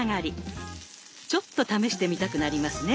ちょっと試してみたくなりますね。